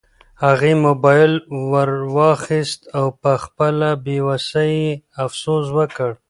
هغې موبایل ورواخیست او په خپله بې وسۍ یې افسوس وکړ.